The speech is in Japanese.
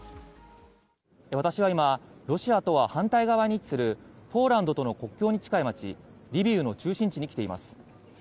私は今ロシアとは反対側に位置するポーランドとの国境に近い街リビウの中心地に来ています。